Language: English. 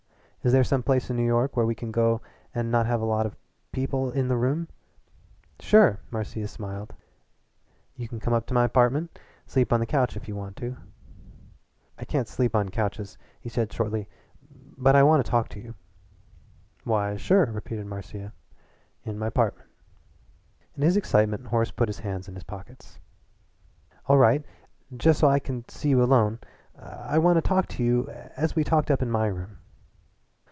Is there some place in New York where we can go and not have a lot of people in the room?" "Sure!" smiled Marcia. "You can come up to my 'partment. Sleep on the couch if you want to." "I can't sleep on couches," he said shortly. "But I want to talk to you." "Why, sure," repeated Marcia, "in my 'partment." In his excitement Horace put his hands in his pockets. "All right just so I can see you alone. I want to talk to you as we talked up in my room."